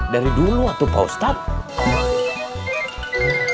dari dulu pak ustadz